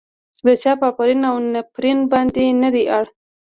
د چا په افرین او نفرين باندې نه دی اړ.